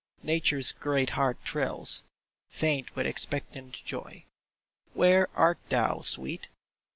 Nature's great heart thrills, Faint with expectant joy. Where art thou, sweet